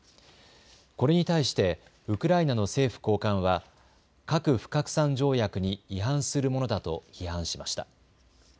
これに対してウクライナの政府高官は核不拡散条約に違反するものだと批判しました。